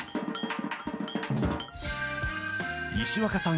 石若さん